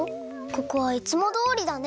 ここはいつもどおりだね！